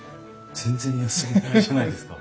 全然休みがないじゃないですか。